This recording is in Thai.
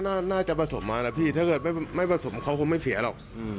ผมว่าน่าจะมาส่งมานะพี่ถ้าไม่ส่งเขาจะไม่เสียหรอก